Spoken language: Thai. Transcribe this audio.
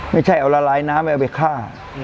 ไม่ใช่เอาละลายน้ำเอาไปฆ่า